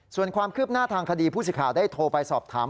ส่วนความคืบหน้าทางคดีผู้สิทธิ์ได้โทรไปสอบถาม